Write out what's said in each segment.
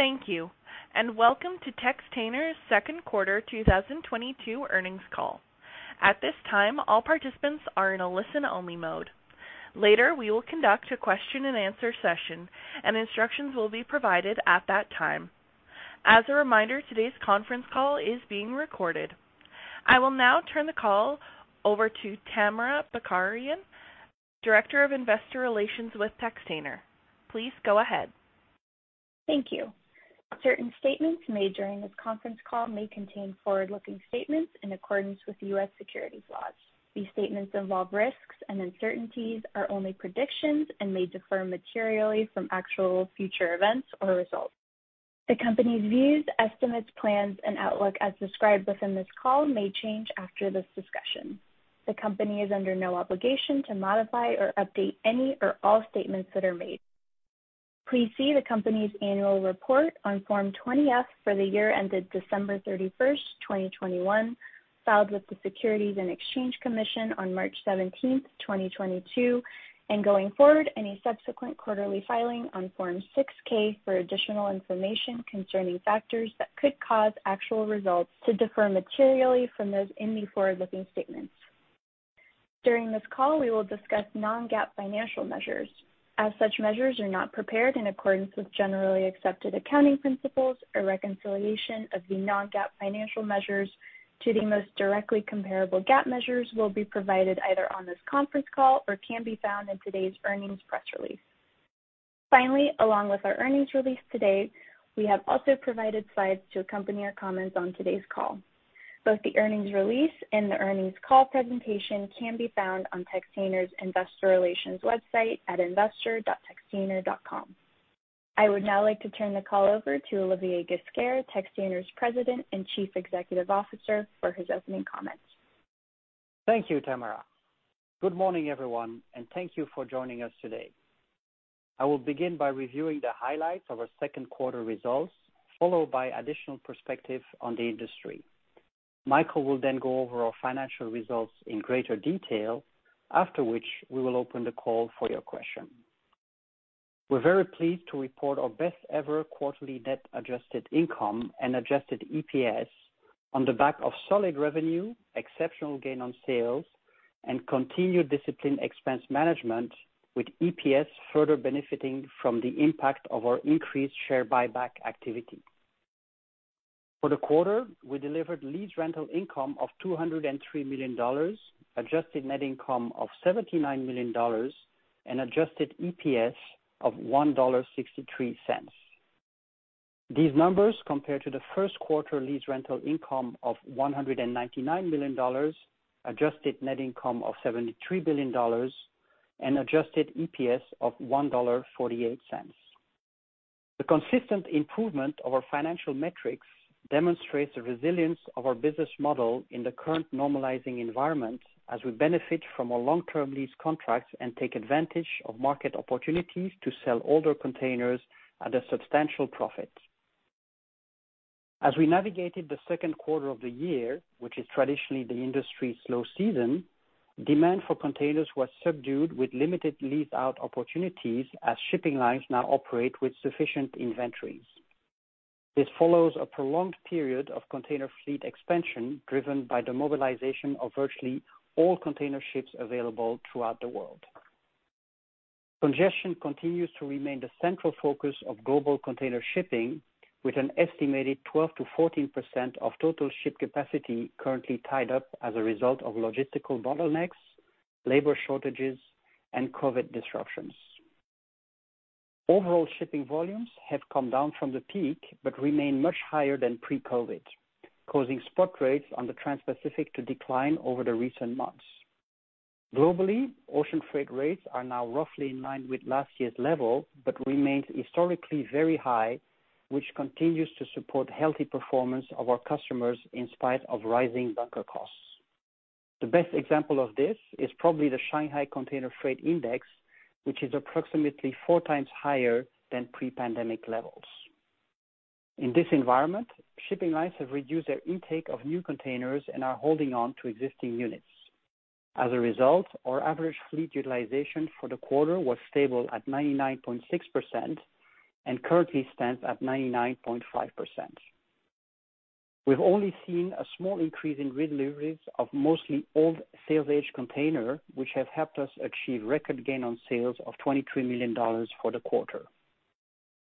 Thank you, and welcome to Textainer's second quarter 2022 earnings call. At this time, all participants are in a listen-only mode. Later, we will conduct a question-and-answer session, and instructions will be provided at that time. As a reminder, today's conference call is being recorded. I will now turn the call over to Tamara Bakarian, Director of Investor Relations with Textainer. Please go ahead. Thank you. Certain statements made during this conference call may contain forward-looking statements in accordance with U.S. securities laws. These statements involve risks and uncertainties, are only predictions, and may differ materially from actual future events or results. The company's views, estimates, plans, and outlook, as described within this call, may change after this discussion. The company is under no obligation to modify or update any or all statements that are made. Please see the company's annual report on Form 20-F for the year ended December 31st, 2021, filed with the Securities and Exchange Commission on March 17th, 2022, and going forward, any subsequent quarterly filing on Form 6-K for additional information concerning factors that could cause actual results to differ materially from those in the forward-looking statements. During this call, we will discuss non-GAAP financial measures. As such measures are not prepared in accordance with generally accepted accounting principles, or reconciliation of the non-GAAP financial measures to the most directly comparable GAAP measures will be provided either on this conference call or can be found in today's earnings press release. Finally, along with our earnings release today, we have also provided slides to accompany our comments on today's call. Both the earnings release and the earnings call presentation can be found on Textainer's investor relations website at investor dot textainer dot com. I would now like to turn the call over to Olivier Ghesquiere, Textainer's President and Chief Executive Officer, for his opening comments. Thank you, Tamara. Good morning, everyone, and thank you for joining us today. I will begin by reviewing the highlights of our second quarter results, followed by additional perspective on the industry. Michael will then go over our financial results in greater detail, after which we will open the call for your questions. We're very pleased to report our best ever quarterly debt adjusted income and adjusted EPS on the back of solid revenue, exceptional gain on sales, and continued disciplined expense management, with EPS further benefiting from the impact of our increased share buyback activity. For the quarter, we delivered lease rental income of $203 million, adjusted net income of $79 million, and adjusted EPS of $1.63. These numbers compare to the first quarter lease rental income of $199 million, adjusted net income of $73 billion, and Adjusted EPS of $1.48. The consistent improvement of our financial metrics demonstrates the resilience of our business model in the current normalizing environment as we benefit from our long-term lease contracts and take advantage of market opportunities to sell older containers at a substantial profit. As we navigated the second quarter of the year, which is traditionally the industry's slow season, demand for containers was subdued with limited lease out opportunities as shipping lines now operate with sufficient inventories. This follows a prolonged period of container fleet expansion, driven by the mobilization of virtually all container ships available throughout the world. Congestion continues to remain the central focus of global container shipping, with an estimated 12%-14% of total ship capacity currently tied up as a result of logistical bottlenecks, labor shortages, and COVID disruptions. Overall shipping volumes have come down from the peak, but remain much higher than pre-COVID, causing spot rates on the Transpacific to decline over the recent months. Globally, ocean freight rates are now roughly in line with last year's level, but remains historically very high, which continues to support healthy performance of our customers in spite of rising bunker costs. The best example of this is probably the Shanghai Containerized Freight Index, which is approximately 4 times higher than pre-pandemic levels. In this environment, shipping lines have reduced their intake of new containers and are holding on to existing units. As a result, our average fleet utilization for the quarter was stable at 99.6% and currently stands at 99.5%. We've only seen a small increase in deliveries of mostly old sales-type containers, which has helped us achieve record gain on sales of $23 million for the quarter.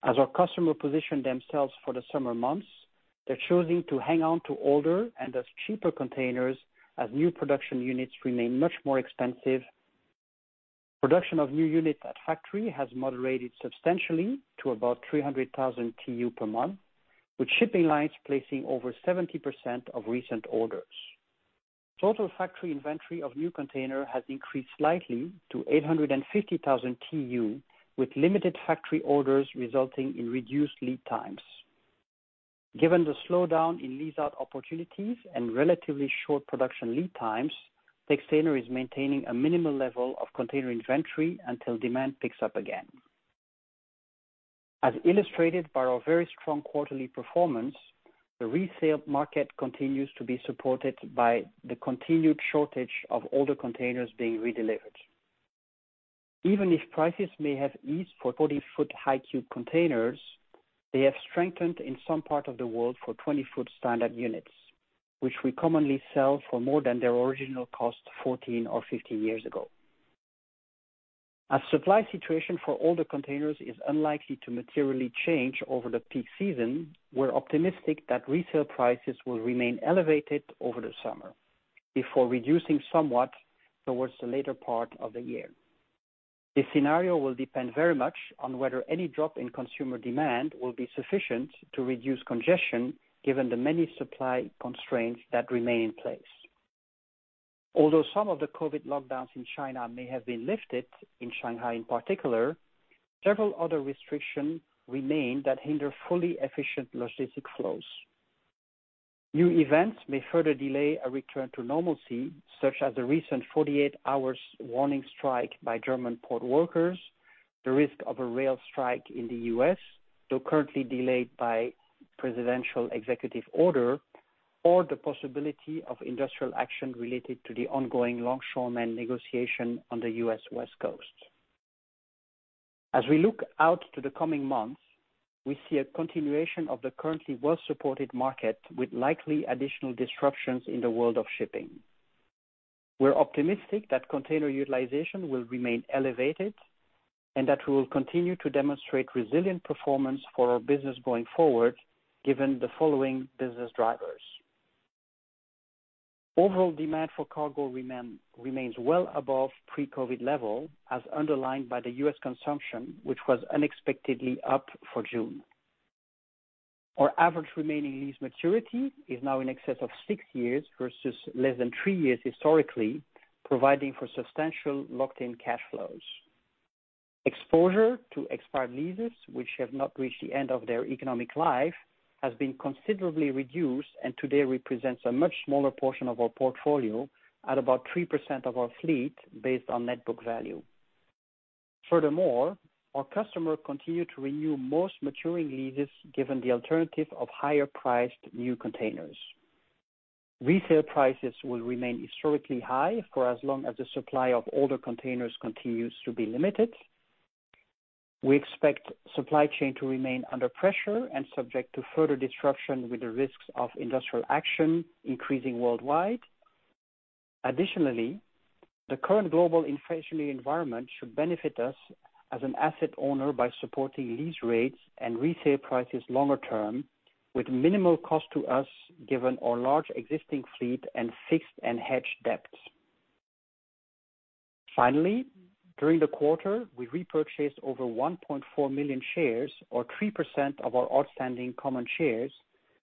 As our customers position themselves for the summer months, they're choosing to hang on to older and thus cheaper containers as new production units remain much more expensive. Production of new units at factories has moderated substantially to about 300,000 TU per month, with shipping lines placing over 70% of recent orders. Total factory inventory of new containers has increased slightly to 850,000 TU, with limited factory orders resulting in reduced lead times. Given the slowdown in lease out opportunities and relatively short production lead times, Textainer is maintaining a minimal level of container inventory until demand picks up again. As illustrated by our very strong quarterly performance, the resale market continues to be supported by the continued shortage of older containers being redelivered. Even if prices may have eased for 40-foot high cube containers, they have strengthened in some part of the world for 20-foot standard units, which we commonly sell for more than their original cost 14 or 15 years ago. As supply situation for older containers is unlikely to materially change over the peak season, we're optimistic that resale prices will remain elevated over the summer before reducing somewhat towards the later part of the year. This scenario will depend very much on whether any drop in consumer demand will besufficient to reduce congestion, given the many supply constraints that remain in place. Although some of the COVID lockdowns in China may have been lifted, in Shanghai in particular, several other restrictions remain that hinder fully efficient logistics flows. New events may further delay a return to normalcy, such as the recent 48-hour warning strike by German port workers, the risk of a rail strike in the U.S., though currently delayed by presidential executive order, or the possibility of industrial action related to the ongoing longshoremen negotiation on the U.S. West Coast. As we look out to the coming months, we see a continuation of the currently well-supported market with likely additional disruptions in the world of shipping. We're optimistic that container utilization will remain elevated and that we will continue to demonstrate resilient performance for our business going forward, given the following business drivers. Overall demand for cargo remains well above pre-COVID level, as underlined by the U.S. consumption, which was unexpectedly up for June. Our average remaining lease maturity is now in excess of six years, versus less than three years historically, providing for substantial locked in cash flows. Exposure to expired leases, which have not reached the end of their economic life, has been considerably reduced, and today represents a much smaller portion of our portfolio at about 3% of our fleet based on net book value. Furthermore, our customers continue to renew most maturing leases given the alternative of higher priced new containers. Resale prices will remain historically high for as long as the supply of older containers continues to be limited. We expect supply chain to remain under pressure and subject to further disruption with the risks of industrial action increasing worldwide. Additionally, the current global inflationary environment should benefit us as an asset owner by supporting lease rates and resale prices longer term with minimal cost to us, given our large existing fleet and fixed and hedged debts. Finally, during the quarter, we repurchased over 1.4 million shares, or 3% of our outstanding common shares,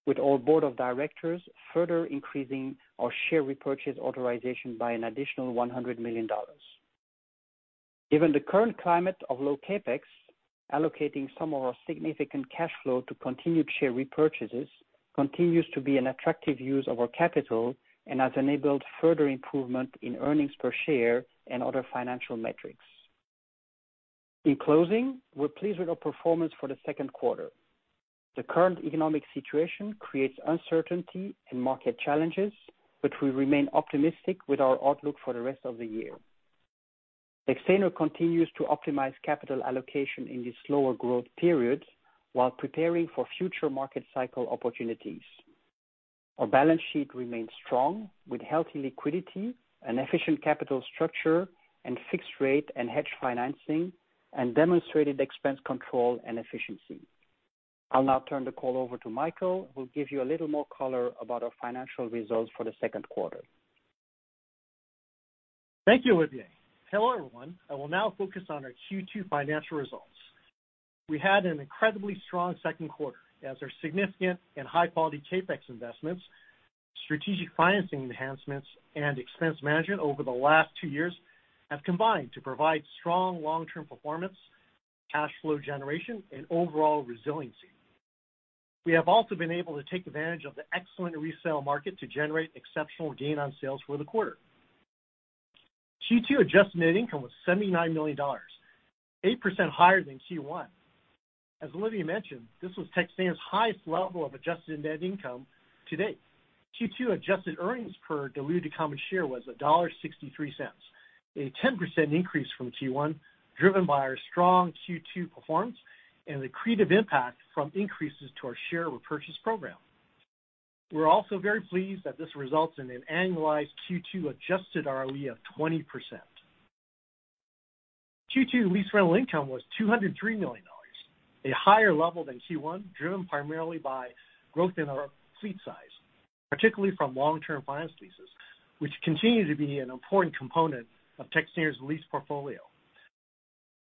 with our board of directors further increasing our share repurchase authorization by an additional $100 million. Given the current climate of low CapEx, allocating some of our significant cash flow to continued share repurchases continues to be an attractive use of our capital and has enabled further improvement in earnings per share and other financial metrics. In closing, we're pleased with our performance for the second quarter. The current economic situation creates uncertainty and market challenges, but we remain optimistic with our outlook for the rest of the year. Textainer continues to optimize capital allocation in this slower growth period while preparing for future market cycle opportunities. Our balance sheet remains strong with healthy liquidity, efficient capital structure, fixed rate and hedge financing, and demonstrated expense control and efficiency. I'll now turn the call over to Michael, who will give you a little more color about our financial results for the second quarter. Thank you, Olivier. Hello, everyone. I wiil now focus on our Q2 financial results. We had an incredibly strong second quarter as our significant and high-quality CapEx investments, strategic financing enhancements, and expense management over the last two years have combined to provide strong long-term performance, cash flow generation, and overall resiliency. We have also been able to take advantage of the excellent resale market to generate exceptional gain on sales for the quarter. Q2 adjusted net income was $79 million, 8% higher than Q1. As Olivier mentioned, this was Textainer's highest level of adjusted net income to date. Q2 adjusted earnings per diluted common share was $1.63, a 10% increase from Q1, driven by our strong Q2 performance and the accretive impact from increases to our share repurchase program. We're also very pleased that this results in an annualized Q2 adjusted ROE of 20%. Q2 lease rental income was $203 million, a higher level than Q1, driven primarily by growth in our fleet size, particularly from long-term finance leases, which continue to be an important component of Textainer's lease portfolio.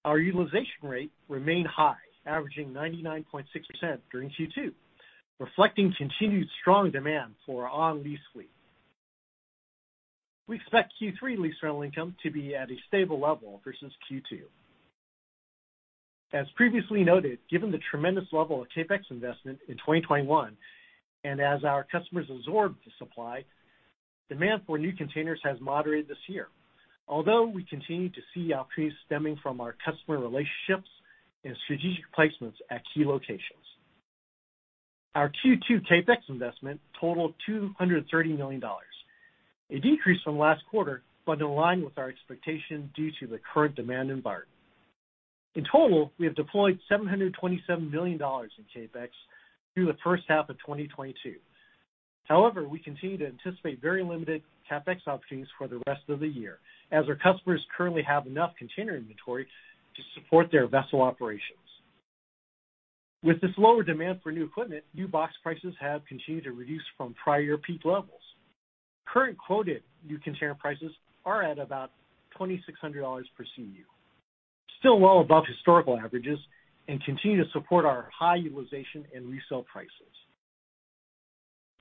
Our utilization rate remained high, averaging 99.6% during Q2, reflecting continued strong demand for our on-lease fleet. We expect Q3 lease rental income to be at a stable level versus Q2. As previously noted, given the tremendous level of CapEx investment in 2021, and as our customers absorb the supply, demand for new containers has moderated this year. Although we continue to see opportunities stemming from our customer relationships and strategic placements at key locations. Our Q2 CapEx investment totaled $230 million. A decrease from last quarter, but in line with our expectation due to the current demand environment. In total, we have deployed $727 million in CapEx through the first half of 2022. However, we continue to anticipate very limited CapEx opportunities for the rest of the year, as our customers currently have enough container inventory to support their vessel operations. With this lower demand for new equipment, new box prices have continued to reduce from prior peak levels. Current quoted new container prices are at about $2,600 per CEU. Still well above historical averages and continue to support our high utilization and resale prices.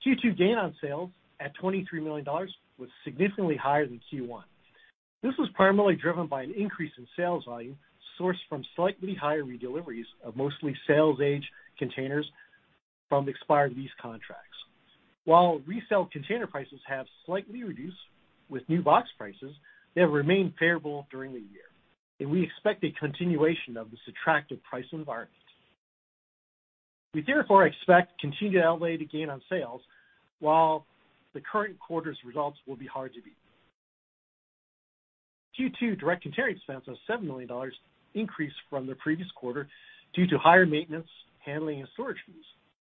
Q2 gain on sales at $23 million was significantly higher than Q1. This was primarily driven by an increase in sales volume sourced from slightly higher redeliveries of mostly sales-age containers from expired lease contracts. While resale container prices have slightly reduced with new box prices, they have remained favorable during the year, and we expect a continuation of this attractive price environment. We therefore expect continued outlay to gain on sales while the current quarter's results will be hard to beat. Q2 direct container expense of $7 million increased from the previous quarter due to higher maintenance, handling, and storage fees,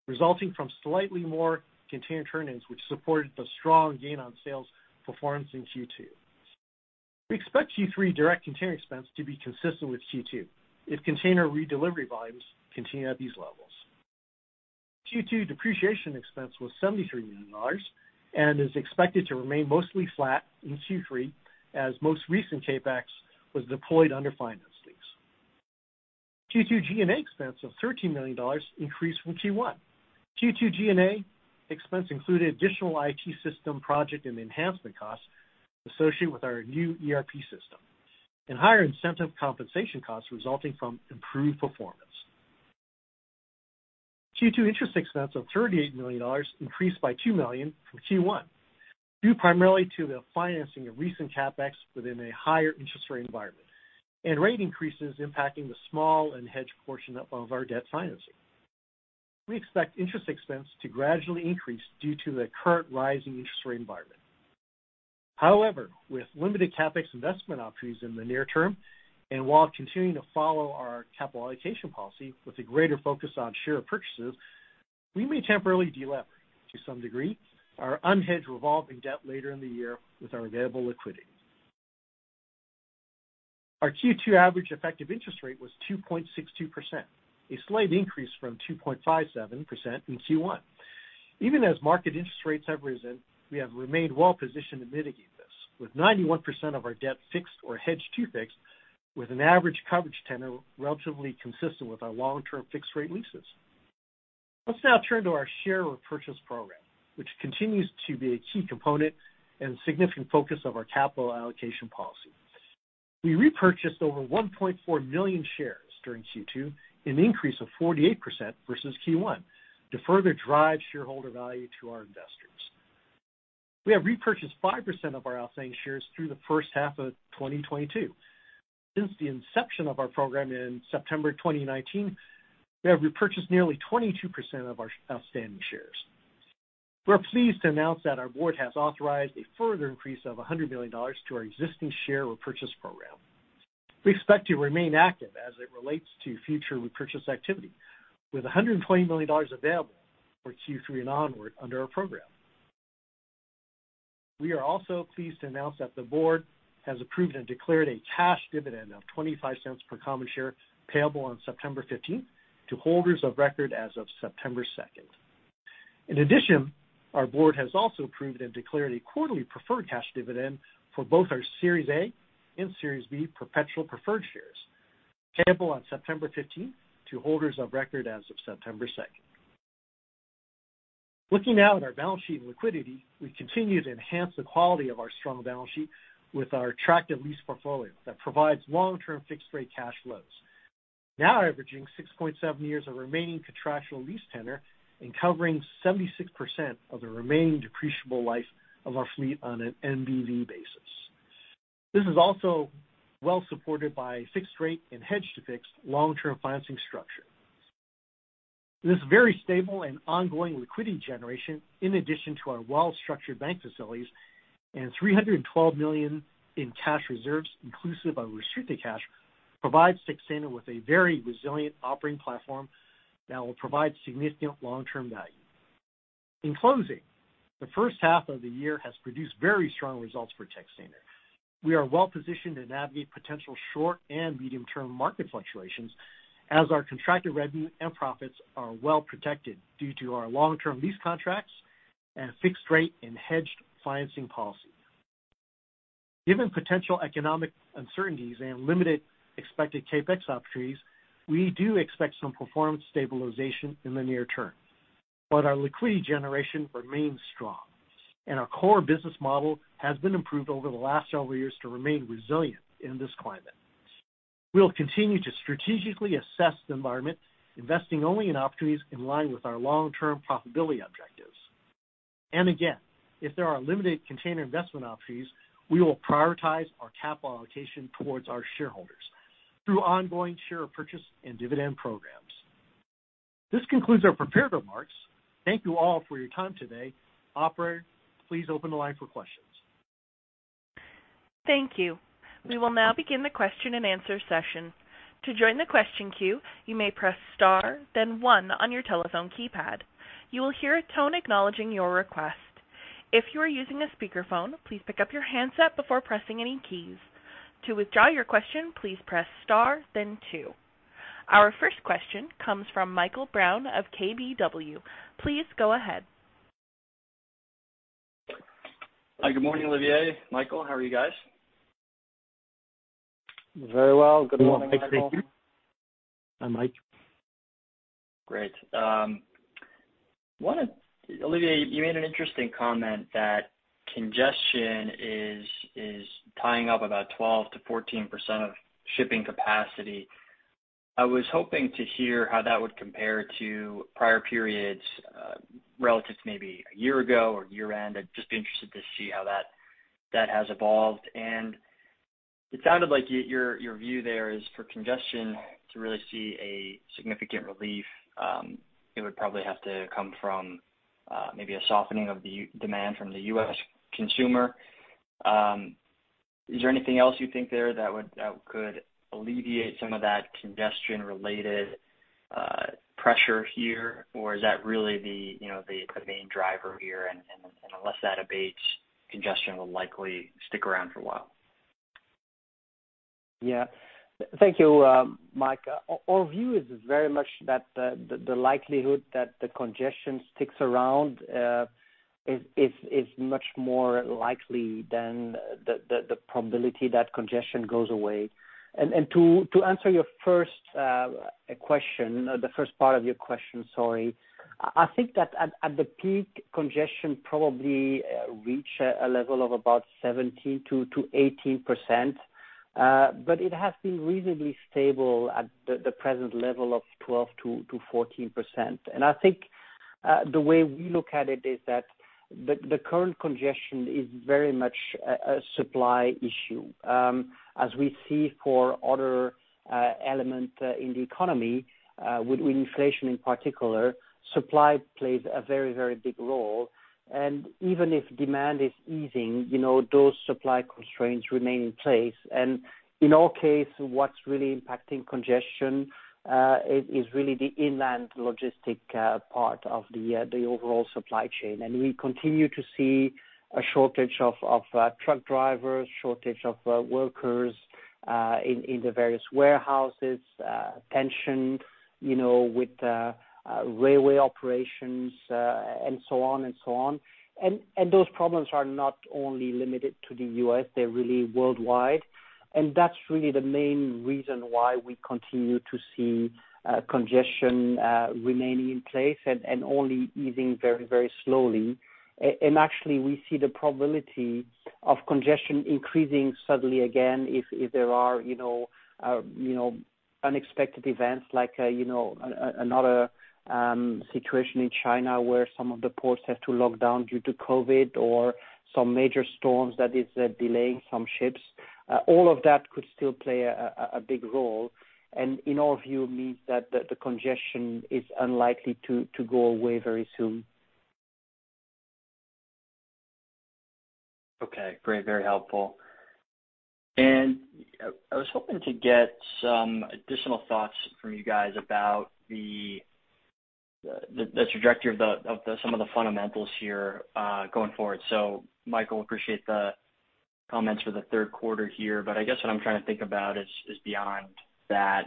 resulting from slightly more container turn ins, which supported the strong gain on sales performance in Q2. We expect Q3 direct container expense to be consistent with Q2 if container redelivery volumes continue at these levels. Q2 depreciation expense was $73 million and is expected to remain mostly flat in Q3 as most recent CapEx was deployed under finance lease. Q2 G&A expense of $13 million increased from Q1. Q2 G&A expense included additional IT system project and enhancement costs associated with our new ERP system. Higher incentive compensation costs resulting from improved performance. Q2 interest expense of $38 million increased by $2 million from Q1, due primarily to the financing of recent CapEx within a higher interest rate environment, and rate increases impacting the small and hedged portion of our debt financing. We expect interest expense to gradually increase due to the current rising interest rate environment. However, with limited CapEx investment opportunities in the near term, and while continuing to follow our capital allocation policy with a greater focus on share purchases, we may temporarily delever to some degree our unhedged revolving debt later in the year with our available liquidity. Our Q2 average effective interest rate was 2.62%, a slight increase from 2.57% in Q1. Even as market interest rates have risen, we have remained well-positioned to mitigate this, with 91% of our debt fixed or hedged to fixed, with an average coverage tenor relatively consistent with our long-term fixed-rate leases. Let's now turn to our share repurchase program, which continues to be a key component and significant focus of our capital allocation policy. We repurchased over 1.4 million shares during Q2, an increase of 48% versus Q1, to further drive shareholder value to our investors. We have repurchased 5% of our outstanding shares through the first half of 2022. Since the inception of our program in September 2019, we have repurchased nearly 22% of our outstanding shares. We're pleased to announce that our board has authorized a further increase of $100 million to our existing share repurchase program. We expect to remain active as it relates to future repurchase activity, with $120 million available for Q3 and onward under our program. We are also pleased to announce that the board has approved and declared a cash dividend of $0.25 per common share payable on September fifteenth to holders of record as of September second. In addition, our board has also approved and declared a quarterly preferred cash dividend for both our Series A and Series B perpetual preferred shares, payable on September fifteenth to holders of record as of September 2nd. Looking now at our balance sheet and liquidity, we continue to enhance the quality of our strong balance sheet with our attractive lease portfolio that provides long-term fixed rate cash flows, now averaging 6.7 years of remaining contractual lease tenor and covering 76% of the remaining depreciable life of our fleet on an NBV basis. This is also well-supported by fixed rate and hedged to fixed long-term financing structure. This very stable and ongoing liquidity generation, in addition to our well-structured bank facilities and $312 million in cash reserves inclusive of restricted cash, provides Textainer with a very resilient operating platform that will provide significant long-term value. In closing, the first half of the year has produced very strong results for Textainer. We are well-positioned to navigate potential short and medium-term market fluctuations as our contracted revenue and profits are well-protected due to our long-term lease contracts and fixed rate and hedged financing policy. Given potential economic uncertainties and limited expected CapEx opportunities, we do expect some performance stabilization in the near term, but our liquidity generation remains strong, and our core business model has been improved over the last several years to remain resilient in this climate. We'll continue to strategically assess the environment, investing only in opportunities in line with our long-term profitability objectives. If there are limited container investment opportunities, we will prioritize our capital allocation towards our shareholders through ongoing share purchase and dividend programs. This concludes our prepared remarks. Thank you all for your time today. Operator, please open the line for questions. Thank you. We will now begin the question-and-answer session. To join the question queue, you may press star then one on your telephone keypad. You will hear a tone acknowledging your request. If you are using a speakerphone, please pick up your handset before pressing any keys. To withdraw your question, please press star then two. Our first question comes from Michael Brown of KBW. Please go ahead. Hi, good morning, Olivier, Michael. How are you guys? Very well. Good morning, Michael. Hi, Mike. Great. Olivier, you made an interesting comment that congestion is tying up about 12%-14% of shipping capacity. I was hoping to hear how that would compare to prior periods, relative to maybe a year ago or year-end. I'd just be interested to see how that has evolved. It sounded like your view there is for congestion to really see a significant relief. It would probably have to come from maybe a softening of the demand from the U.S. consumer. Is there anything else you think there that could alleviate some of that congestion-related pressure here? Or is that really the, you know, the main driver here, and unless that abates, congestion will likely stick around for a while? Yeah. Thank you, Mike. Our view is very much that the likelihood that the congestion sticks around is much more likely than the probability that congestion goes away. To answer your first question, or the first part of your question, sorry, I think that at the peak, congestion probably reached a level of about 17%-18%. It has been reasonably stable at the present level of 12%-14%. I think the way we look at it is that the current congestion is very much a supply issue. As we see for other elements in the economy, with inflation in particular, supply plays a very, very big role. Even if demand is easing, you know, those supply constraints remain in place. In our case, what's really impacting congestion is really the inland logistics part of the overall supply chain. We continue to see a shortage of truck drivers, shortage of workers in the various warehouses, tension, you know, with railway operations, and so on. Those problems are not only limited to the U.S., they're really worldwide. That's really the main reason why we continue to see congestion remaining in place and only easing very, very slowly. Actually, we see the probability of congestion increasing suddenly again if there are, you know, unexpected events like, you know, another situation in China where some of the ports have to lock down due to COVID or some major storms that is delaying some ships. All of that could still play a big role, and in our view, means that the congestion is unlikely to go away very soon. Okay. Great. Very helpful. I was hoping to get some additional thoughts from you guys about the trajectory of some of the fundamentals here, going forward. Michael, appreciate the comments for the third quarter here, but I guess what I'm trying to think about is beyond that.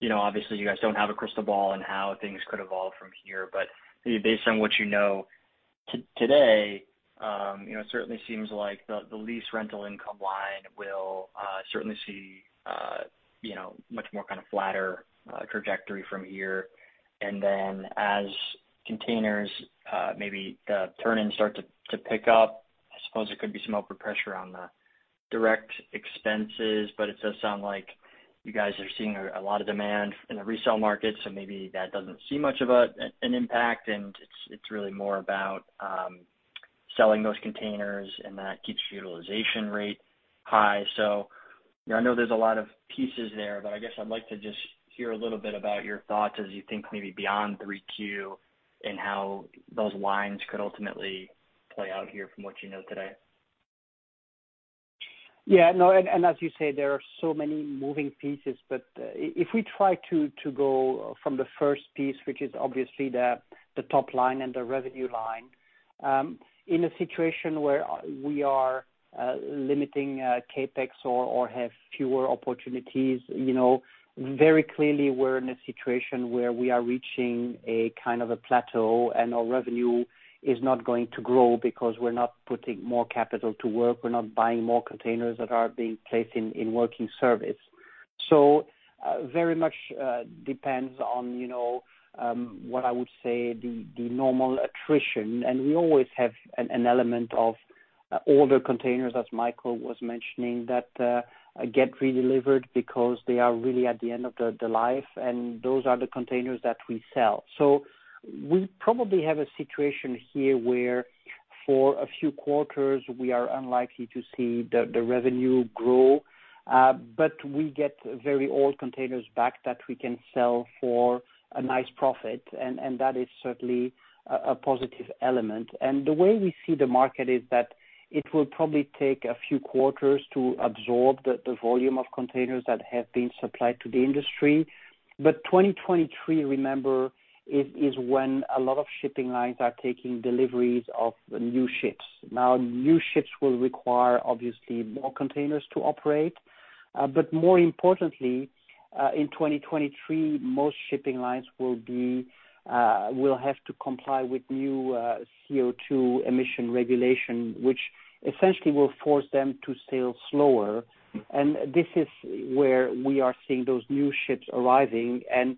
You know, obviously you guys don't have a crystal ball on how things could evolve from here, but based on what you know today, you know, it certainly seems like the lease rental income line will certainly see, you know, much more kind of flatter trajectory from here. As containers maybe the turn-ins start to pick up, I suppose there could be some upward pressure on the direct expenses, but it does sound like you guys are seeing a lot of demand in the resell market, so maybe that doesn't see much of an impact, and it's really more about selling those containers and that keeps utilization rate high. I know there's a lot of pieces there, but I guess I'd like to just hear a little bit about your thoughts as you think maybe beyond 3Q and how those lines could ultimately play out here from what you know today. Yeah, no, as you say, there are so many moving pieces. If we try to go from the first piece, which is obviously the top line and the revenue line, in a situation where we are limiting CapEx or have fewer opportunities, you know, very clearly we're in a situation where we are reaching a kind of a plateau and our revenue is not going to grow because we're not putting more capital to work. We're not buying more containers that are being placed in working service. Very much depends on, you know, what I would say the normal attrition. We always have an element of older containers, as Michael was mentioning, that get redelivered because they are really at the end of the life, and those are the containers that we sell. We probably have a situation here where for a few quarters, we are unlikely to see the revenue grow, but we get very old containers back that we can sell for a nice profit, and that is certainly a positive element. We see the way the market is that it will probably take a few quarters to absorb the volume of containers that have been supplied to the industry. 2023, remember, is when a lot of shipping lines are taking deliveries of new ships. Now, new ships will require obviously more containers to operate. More importantly, in 2023, most shipping lines will have to comply with new CO₂ emission regulation, which essentially will force them to sail slower. This is where we are seeing those new ships arriving and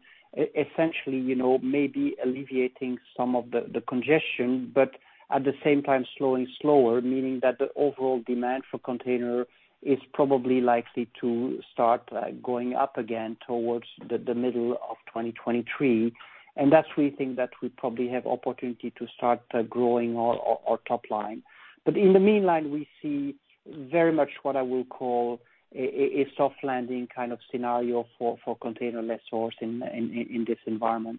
essentially, you know, maybe alleviating some of the congestion, but at the same time, slower, meaning that the overall demand for container is probably likely to start going up again towards the middle of 2023. That's why we think that we probably have opportunity to start growing our top line. In the meantime, we see very much what I will call a soft landing kind of scenario for container lessors in this environment.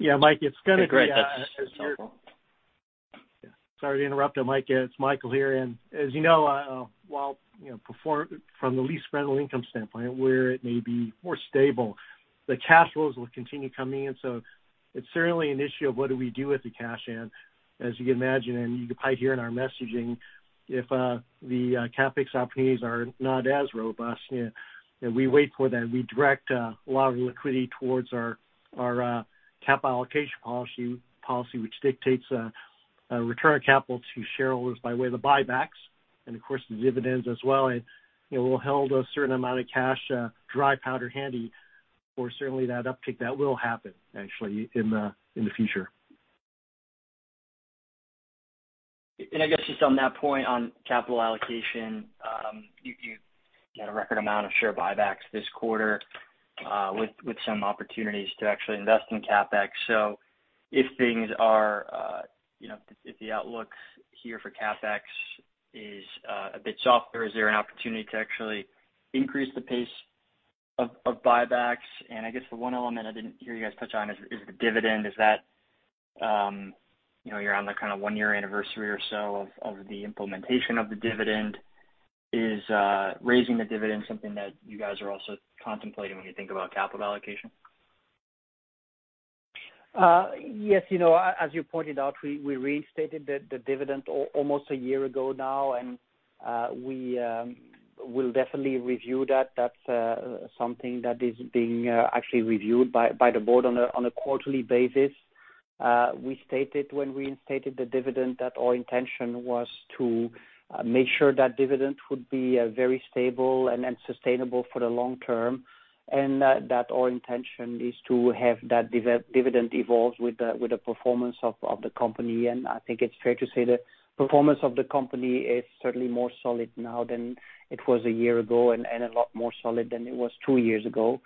Yeah, Mike, it's gonna be as you're Great. That's helpful. Sorry to interrupt, Mike. It's Michael here. As you know, while, you know, from the lease rental income standpoint, where it may be more stable, the cash flows will continue coming in. It's certainly an issue of what do we do with the cash in. As you can imagine, and you could probably hear in our messaging, if the CapEx opportunities are not as robust, we wait for them. We direct a lot of liquidity towards our capital allocation policy, which dictates a return of capital to shareholders by way of the buybacks and of course, the dividends as well. You know, we'll hold a certain amount of cash dry powder handy for certainly that uptick that will happen actually in the future. I guess just on that point on capital allocation, you had a record amount of share buybacks this quarter, with some opportunities to actually invest in CapEx. If things are, you know, if the outlook here for CapEx is a bit softer, is there an opportunity to actually increase the pace of buybacks? I guess the one element I didn't hear you guys touch on is the dividend. Is that, you know, you're on the kind of one-year anniversary or so of the implementation of the dividend. Is raising the dividend something that you guys are also contemplating when you think about capital allocation? Yes. You know, as you pointed out, we restated the dividend almost a year ago now, and we will definitely review that. That's something that is being actually reviewed by the board on a quarterly basis. We stated when we instated the dividend that our intention was to make sure that dividend would be very stable and sustainable for the long term. That our intention is to have that dividend evolve with the performance of the company. I think it's fair to say the performance of the company is certainly more solid now than it was a year ago and a lot more solid than it was two years ago.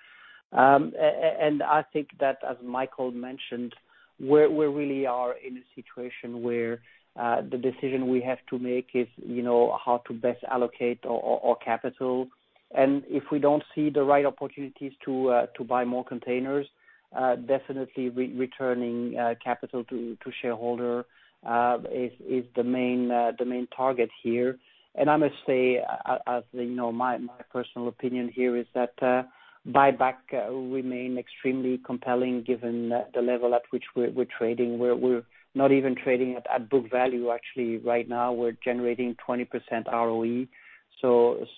I think that, as Michael mentioned, we really are in a situation where the decision we have to make is, you know, how to best allocate our capital. If we don't see the right opportunities to buy more containers, definitely returning capital to shareholder is the main target here. I must say, as you know, my personal opinion here is that buyback will remain extremely compelling given the level at which we're trading. We're not even trading at book value actually. Right now, we're generating 20% ROE.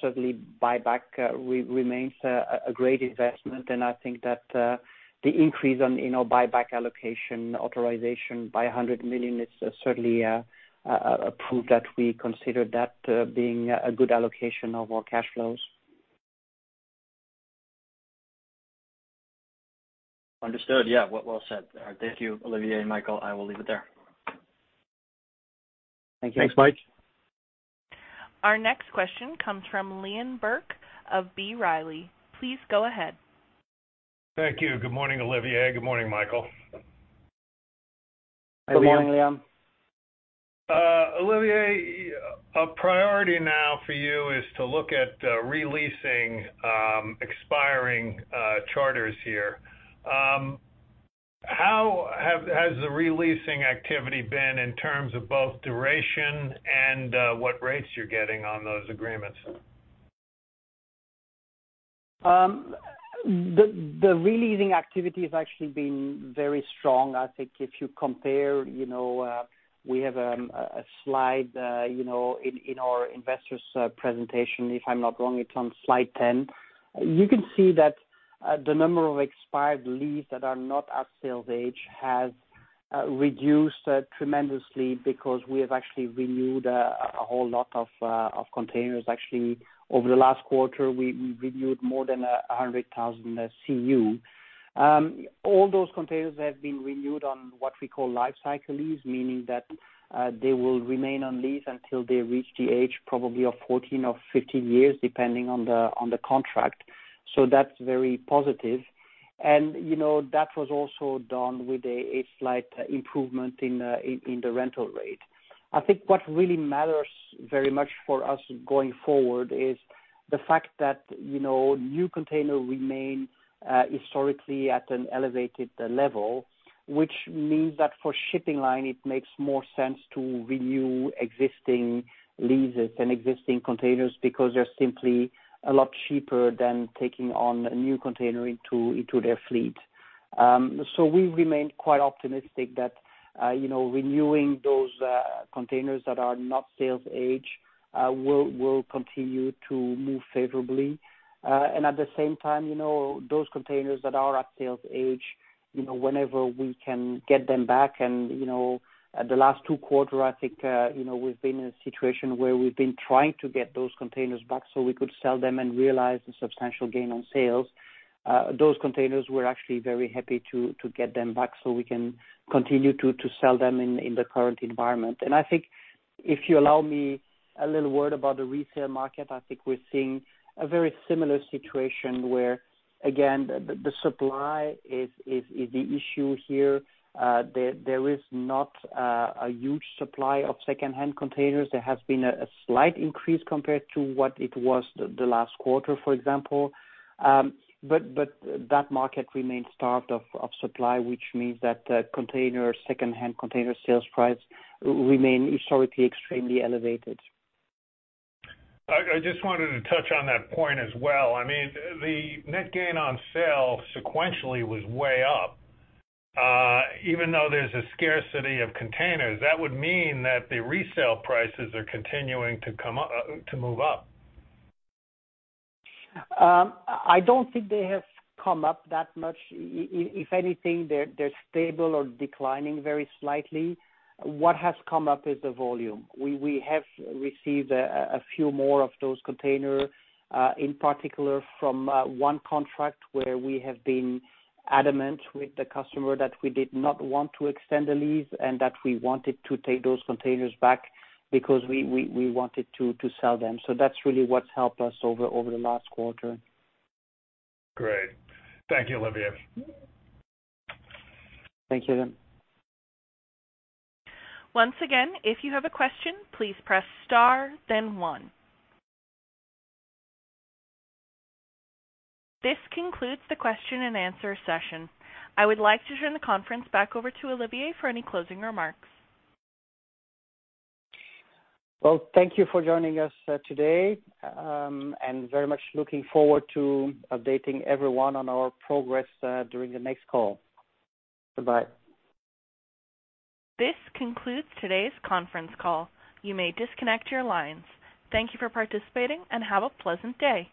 Certainly buyback remains a great investment. I think that the increase in, you know, buyback allocation authorization by $100 million is certainly a proof that we consider that being a good allocation of our cash flows. Understood. Yeah. Well said. Thank you, Olivier and Michael. I will leave it there. Thank you. Thanks, Mike. Our next question comes from Liam Burke of B. Riley. Please go ahead. Thank you. Good morning, Olivier. Good morning, Michael. Good morning. Good morning, Liam. Olivier, a priority now for you is to look at re-leasing expiring charters here. How has the re-leasing activity been in terms of both duration and what rates you're getting on those agreements? The re-leasing activity has actually been very strong. I think if you compare, you know, we have a slide, you know, in our investors presentation. If I'm not wrong, it's on slide 10. You can see that the number of expired lease that are not at sales age has reduced tremendously because we have actually renewed a whole lot of containers. Actually, over the last quarter, we renewed more than 100,000 CEU. All those containers have been renewed on what we call life cycle lease, meaning that they will remain on lease until they reach the age probably of 14 or 15 years, depending on the contract. So that's very positive. You know, that was also done with a slight improvement in the rental rate. I think what really matters very much for us going forward is the fact that new containers remain historically at an elevated level, which means that for shipping lines it makes more sense to renew existing leases and existing containers because they're simply a lot cheaper than taking on a new container into their fleet. We remain quite optimistic that renewing those containers that are not sales age will continue to move favorably. At the same time, those containers that are at sales age, whenever we can get them back and in the last two quarters, I think we've been in a situation where we've been trying to get those containers back so we could sell them and realize the substantial gain on sales. Those containers, we're actually very happy to get them back so we can continue to sell them in the current environment. I think if you allow me a little word about the resale market, I think we're seeing a very similar situation where again, the supply is the issue here. There is not a huge supply of secondhand containers. There has been a slight increase compared to what it was the last quarter, for example. But that market remains starved of supply, which means that the secondhand container sales price remain historically extremely elevated. I just wanted to touch on that point as well. I mean, the net gain on sale sequentially was way up. Even though there's a scarcity of containers, that would mean that the resale prices are continuing to come up, to move up. I don't think they have come up that much. If anything, they're stable or declining very slightly. What has come up is the volume. We have received a few more of those containers, in particular from one contract where we have been adamant with the customer that we did not want to extend the lease, and that we wanted to take those containers back because we wanted to sell them. That's really what's helped us over the last quarter. Great. Thank you, Olivier. Thank you. Once again, if you have a question, please press star then one. This concludes the question and answer session. I would like to turn the conference back over to Olivier for any closing remarks. Well, thank you for joining us today. Very much looking forward to updating everyone on our progress during the next call. Bye-bye. This concludes today's conference call. You may disconnect your lines. Thank you for participating, and have a pleasant day.